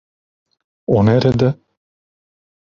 O nerede?